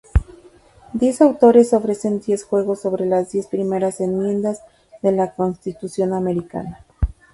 Diez autores ofrecen diez juegos sobre las diez primeras enmiendas de la constitución americana.